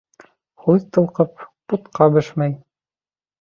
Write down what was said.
Һүҙ тылҡып, бутҡа бешмәй.